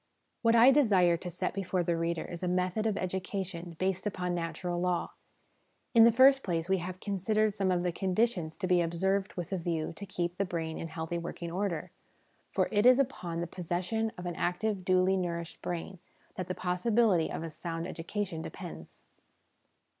What I desire to set before the reader is a method of education based upon natural law. In the first place, we have considered some of the conditions to be observed with a view to keep the brain in healthy working order; for it is upon the possession of an active, duly nourished brain that the possibility of a sound education depends.